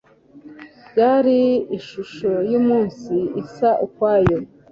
byari ishusho yumunsi isa ukwayo